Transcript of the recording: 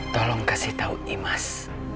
tolong kasih tahu imas